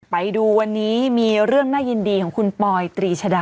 ไปดูวันนี้มีเรื่องน่ายินดีของคุณปอยตรีชดา